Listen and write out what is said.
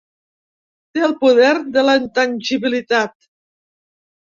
Té el poder de la intangibilitat.